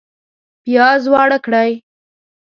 پیاز واړه کړئ